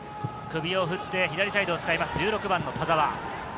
首を振って左サイドを使います、１６番の田澤。